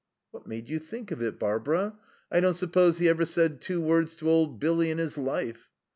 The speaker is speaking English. '" "What made you think of it, Barbara? I don't suppose he ever said two words to old Billy in his life."